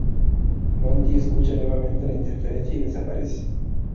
Monty escucha nuevamente la interferencia y desaparece.